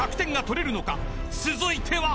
［続いては］